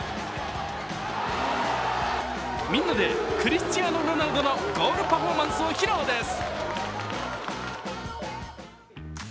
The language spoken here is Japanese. みんなでクリスチアーノ・ロナウドのゴールパフォーマンスを披露です。